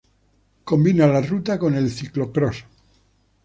Combina la ruta con el Ciclocrós.